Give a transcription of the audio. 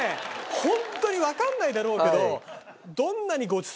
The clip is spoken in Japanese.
ホントにわかんないだろうけど。